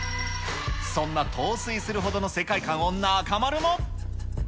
そんな陶酔するほどの世界観を中丸も。